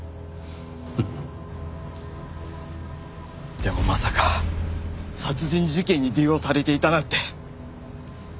でもまさか殺人事件に利用されていたなんて。